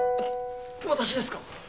私ですか！？